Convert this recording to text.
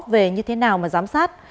về như thế nào mà giám sát